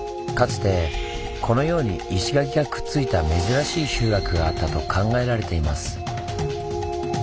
かつてこのように石垣がくっついた珍しい集落があったと考えられています。